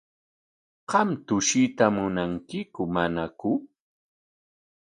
¿Qam tushuyta munankiku manaku?